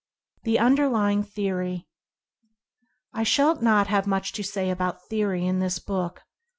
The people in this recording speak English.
THE UNDERLYING THEORY. I shall not have much to say about theory in this book.